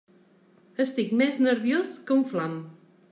Estic més nerviós que un flam!